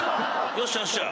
よっしゃよっしゃ。